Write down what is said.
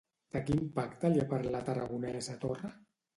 De quin pacte li ha parlat Aragonès a Torra?